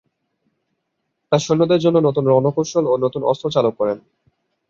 তার সৈন্যদের জন্য নতুন রণকৌশল ও নতুন অস্ত্র চালু করেন।